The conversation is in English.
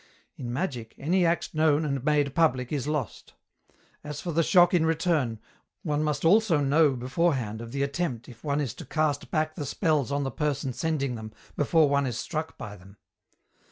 In magic, any act known and made public is lost. As for the shock in return, one must also know beforehand of the attempt if one is to cast back the spells on the person sending them before one is struck by them.